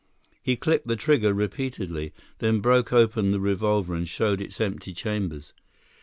He clicked the trigger repeatedly; then broke open the revolver and showed its empty chambers.